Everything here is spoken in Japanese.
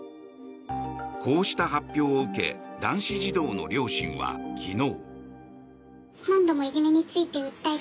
こうした発表を受け男子児童の両親は昨日。